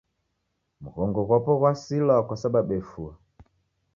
Mghongo ghw'apo ghw'asilwa kwasababu efua.